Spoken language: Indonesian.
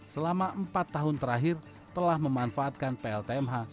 selama empat tahun terakhir telah memanfaatkan pltmh